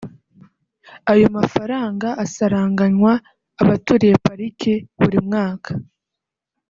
Ayo mafaranga asaranganywa abaturiye Pariki buri mwaka